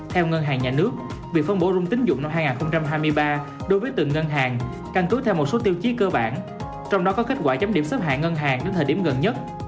theo ngân hàng nhà nước việc phân bổ sung tính dụng năm hai nghìn hai mươi ba đối với từng ngân hàng căn cứ theo một số tiêu chí cơ bản trong đó có kết quả chấm điểm xếp hạng ngân hàng đến thời điểm gần nhất